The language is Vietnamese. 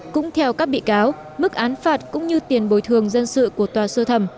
cũng theo các bị cáo mức án phạt cũng như tiền bồi thường dân sự của tòa sơ thẩm